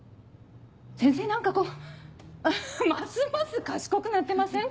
先生何かこうますます賢くなってません？